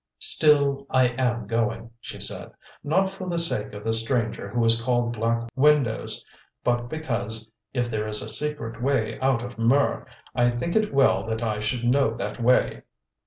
"Still I am going," she said, "not for the sake of the stranger who is called Black Windows, but because, if there is a secret way out of Mur I think it well that I should know that way.